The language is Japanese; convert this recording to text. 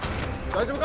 大丈夫。